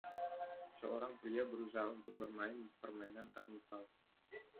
Seorang pria berusaha untuk bermain permainan karnival.